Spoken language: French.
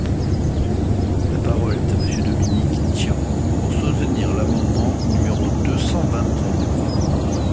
La parole est à Monsieur Dominique Tian, pour soutenir l’amendement numéro deux cent vingt-neuf.